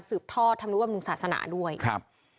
อุโมทนาด้วยนะ